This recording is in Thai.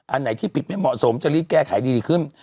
อันไหนที่ผิดไม่เหมาะสมจะรีบแก้ไขดีขึ้น